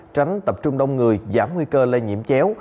tránh tập trung đông người giảm nguy cơ lây nhiễm chéo